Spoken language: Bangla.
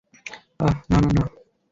আহ, না, না, না।